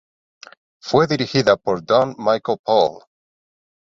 Fue dirigida por Don Michael Paul.